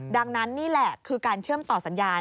ดังนั้นนี่แหละคือการเชื่อมต่อสัญญาณ